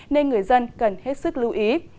nên người dân cần hết sức lưu ý